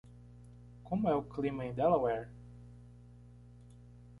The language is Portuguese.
Como é o clima em Delaware?